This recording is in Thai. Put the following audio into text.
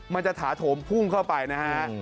มันจะถาโถมพุ่งเข้าไปนะฮะ